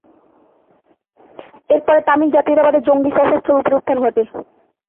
এর পরে তামিল জাতীয়তাবাদের জঙ্গি, সশস্ত্র রূপের উত্থান ঘটে।